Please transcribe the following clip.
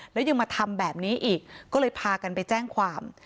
แล้วยังมาทำแบบนี้อีกก็เลยพากันไปแจ้งความ